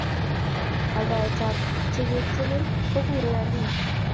Altaet ab tuguk tugul kokurei alik